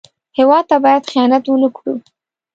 هېواد ته باید خیانت ونه کړو